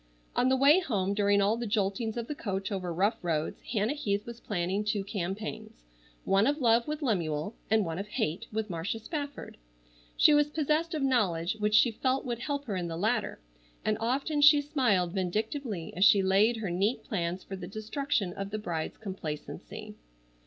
On the way home, during all the joltings of the coach over rough roads Hannah Heath was planning two campaigns, one of love with Lemuel, and one of hate with Marcia Spafford. She was possessed of knowledge which she felt would help her in the latter, and often she smiled vindictively as she laid her neat plans for the destruction of the bride's complacency.